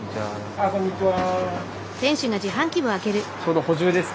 ああこんにちは。